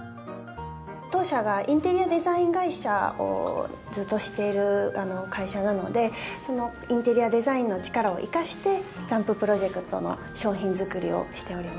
当社がインテリアデザイン会社をずっとしている会社なのでそのインテリアデザインの力を生かしてＺＡＭＰＵＰＲＯＪＥＣＴの商品作りをしております。